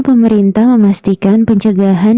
pemerintah memastikan pencegahan